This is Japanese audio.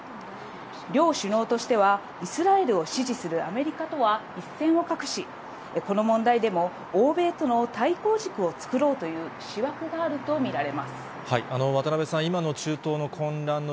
両首脳としては、イスラエルを支持するアメリカとは一線を画し、この問題でも欧米との対抗軸を作ろうという思惑があると思われま渡辺さん、今の中東の混乱の